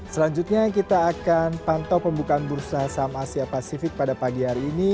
selanjutnya kita akan pantau pembukaan bursa saham asia pasifik pada pagi hari ini